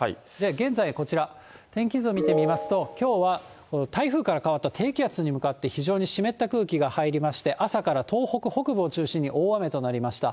現在こちら、天気図を見てみますと、きょうは台風から変わった低気圧に向かって非常に湿った空気が入りまして、朝から東北北部を中心に大雨となりました。